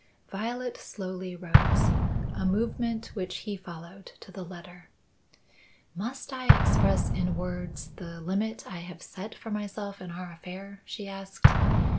Violet slowly rose a movement which he followed to the letter. "Must I express in words the limit I have set for myself in our affair?" she asked.